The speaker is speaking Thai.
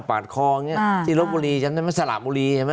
ปัดคออย่างเงี้ยอิรบบุรีจำได้มั้ยสลามบุรีเห็นมั้ย